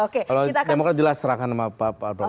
kalau demokrat jelas serahkan sama pak prabowo